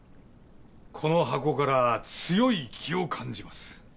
この箱から強い気を感じます。